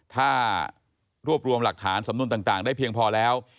ถ้ารวบรวมหลักฐานสำนวนต่างได้เพียงพอแล้ว